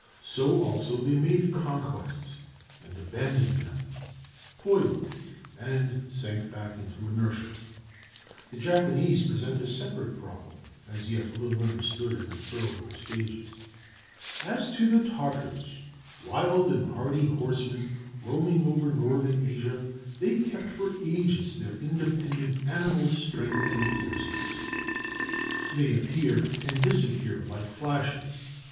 So also they made conquests and abandoned them; toiled and sank back into inertia. [Footnote 6: See Rise of Confucius, page 270.] The Japanese present a separate problem, as yet little understood in its earlier stages. As to the Tartars, wild and hardy horsemen roaming over Northern Asia, they kept for ages their independent animal strength and fierceness. They appear and disappear like flashes.